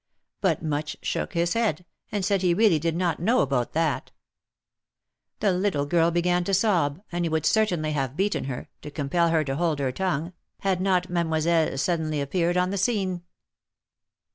But Much shook his head, and said he really did not know about that. The little girl began to sob, and he would certainly have beaten her, to compel her to hold her tongue, had not Mademoiselle suddenly appeared on the scene.